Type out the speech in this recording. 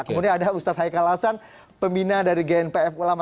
kemudian ada ustadz haikal hasan pembina dari gnpf ulama